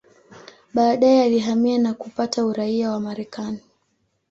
Baadaye alihamia na kupata uraia wa Marekani.